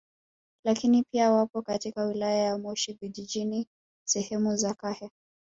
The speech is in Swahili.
Lakini pia wapo katika wilaya ya Moshi Vijijini sehemu za Kahe